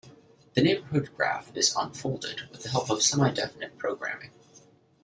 The neighbourhood graph is "unfolded" with the help of semidefinite programming.